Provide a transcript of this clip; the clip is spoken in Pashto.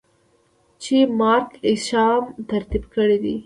چې Mark Isham ترتيب کړې ده.